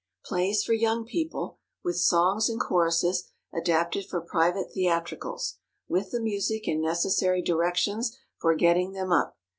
=PLAYS FOR YOUNG PEOPLE=, with Songs and Choruses, adapted for Private Theatricals. With the Music and necessary directions for getting them up.